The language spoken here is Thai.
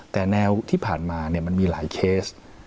แต่แนวที่ผ่านมามันมีหลายเคส